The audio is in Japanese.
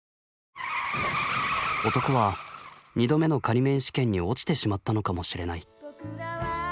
「男は２度目の仮免試験に落ちてしまったのかもしれない。